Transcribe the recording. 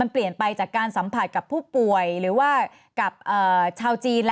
เปลี่ยนไปจากการสัมผัสกับผู้ป่วยหรือว่ากับชาวจีน